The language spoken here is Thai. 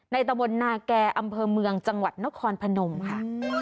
ตะบนนาแก่อำเภอเมืองจังหวัดนครพนมค่ะ